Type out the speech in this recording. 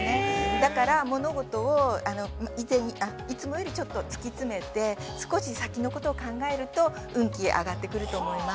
だから物事を、いつもより、ちょっと突き詰めて、少し先のことを考えると、運気が上がってくると思います。